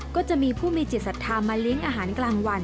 ก็จะมีผู้มีจิตศรัทธามาเลี้ยงอาหารกลางวัน